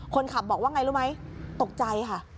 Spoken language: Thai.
คนขับบอกว่าไงรู้ไหมตกใจค่ะ